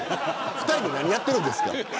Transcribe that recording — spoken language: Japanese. ２人で何やってるんですか。